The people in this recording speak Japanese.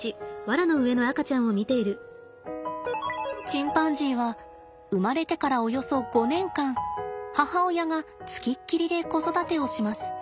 チンパンジーは生まれてからおよそ５年間母親がつきっきりで子育てをします。